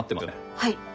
はい。